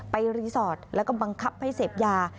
รีสอร์ทแล้วก็บังคับให้เสพยา